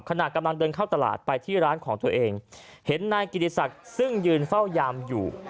ขณะกำลังเดินเข้าตลาดไปที่ร้านของตัวเองเห็นนายกิติศักดิ์ซึ่งยืนเฝ้ายามอยู่